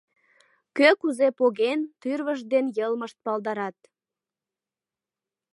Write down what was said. Кӧ кузе поген, тӱрвышт ден йылмышт палдарат.